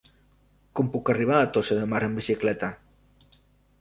Com puc arribar a Tossa de Mar amb bicicleta?